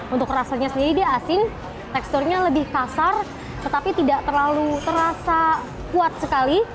untuk rasanya sendiri dia asin teksturnya lebih kasar tetapi tidak terlalu terasa kuat sekali